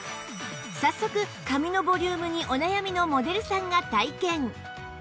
早速髪のボリュームにお悩みのモデルさんが体験